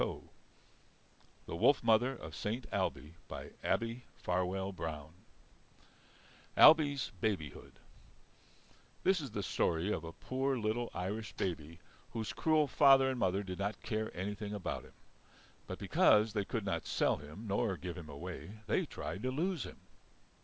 The Wolf Mother of Saint Ailbe ABBIE FARWELL BROWN Ailbe's Babyhood This is the story of a poor little Irish baby whose cruel father and mother did not care anything about him. But because they could not sell him nor give him away they tried to lose him.